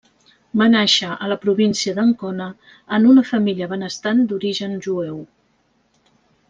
Va nàixer a la província d'Ancona, en una família benestant d'origen jueu.